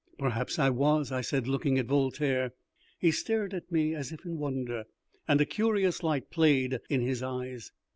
"Perhaps I was," I said, looking at Voltaire. He stared at me as if in wonder, and a curious light played in his eyes.